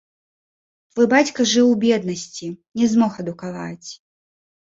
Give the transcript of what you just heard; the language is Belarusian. Твой бацька жыў у беднасці, не змог адукаваць.